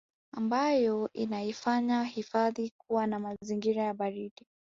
ambayo inaifanya hifadhi kuwa na mazingira ya baridi